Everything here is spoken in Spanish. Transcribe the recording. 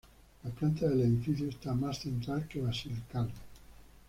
La planta del edificio está más central que basilical.